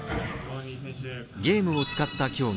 ゲームを使った競技